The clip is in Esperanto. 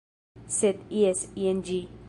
Sed, jes, jen ĝi